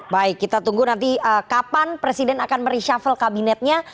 baik kita tunggu nanti kapan presiden akan mereshuffle kabinetnya